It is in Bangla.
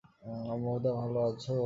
অমুধা, ভালো আছ?